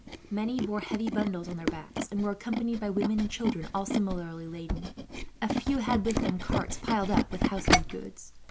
Many bore heavy bundles on their backs, and were accompanied by women and children, all similarly laden. A few had with them carts, piled up with household goods.